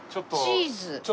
チーズ。